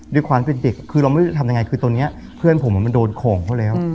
ด้วยความเป็นเด็กคือเราไม่รู้จะทำยังไงคือตอนนี้เพื่อนผมมันโดนของเขาแล้ว